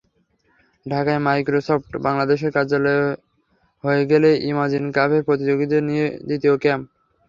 ঢাকায় মাইক্রোসফট বাংলাদেশের কার্যালয়ে হয়ে গেল ইমাজিন কাপের প্রতিযোগীদের নিয়ে দ্বিতীয় ক্যাম্প।